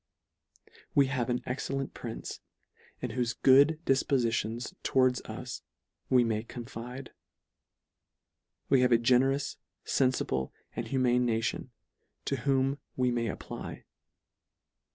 We have an excellent prince, in whofe good difpoiitions towards us we may confide. We have a generous, fenlible, and humane nation, to whom we may apply.